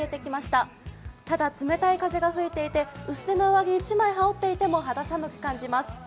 ただ、冷たい風が吹いていて薄手の上着１枚羽織っていても肌寒く感じます。